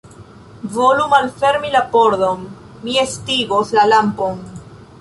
Volu malfermi la pordon; mi estingos la lampon.